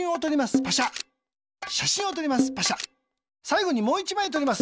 さいごにもう１まいとります。